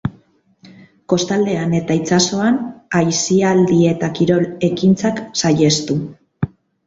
Kostaldean eta itsasoan aisialdi eta kirol ekintzak saihestu.